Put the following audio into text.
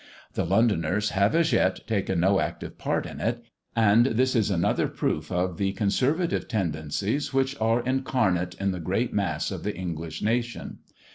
The Londoners have as yet taken no active part in it; and this is another proof of the conservative tendencies which are incarnate in the great mass of the English nation.